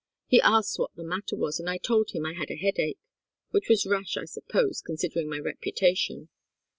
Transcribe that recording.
He asked what the matter was, and I told him I had a headache, which was rash, I suppose, considering my reputation.